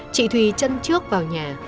chị thùy chân trước vào nhà